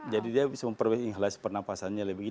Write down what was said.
jadi dia bisa memperbaiki inhalasi pernapasannya lebih gini